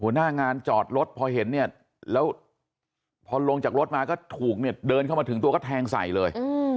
หน้างานจอดรถพอเห็นเนี่ยแล้วพอลงจากรถมาก็ถูกเนี่ยเดินเข้ามาถึงตัวก็แทงใส่เลย